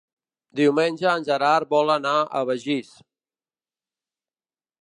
Diumenge en Gerard vol anar a Begís.